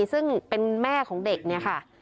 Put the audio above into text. ซึ่งเป็นแม่ของเด็กเนี่ยค่ะ